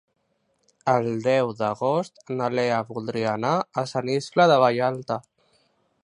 El deu d'agost na Lea voldria anar a Sant Iscle de Vallalta.